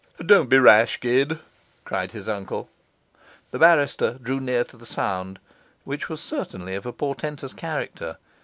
'Don't be rash, Gid,' cried his uncle. The barrister drew near to the sound, which was certainly of a portentous character.